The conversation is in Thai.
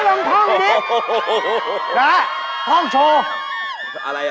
เดี๋ยวเจ๊ไปเข้าห้องน้ำ